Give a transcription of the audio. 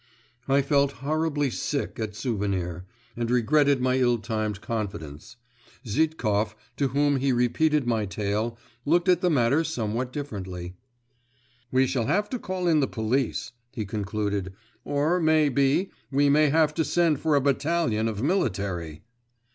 I felt horribly sick at Souvenir, and regretted my ill timed confidence.… Zhitkov, to whom he repeated my tale, looked at the matter somewhat differently. 'We shall have to call in the police,' he concluded, 'or, may be, we may have to send for a battalion of military.